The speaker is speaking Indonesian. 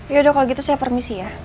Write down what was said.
yaudah kalau gitu saya permisi ya